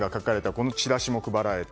このチラシも配られて。